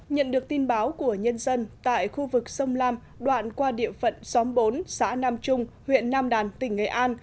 nhận được tin báo của nhân dân tại khu vực sông lam đoạn qua địa phận xóm bốn xã nam trung huyện nam đàn tỉnh nghệ an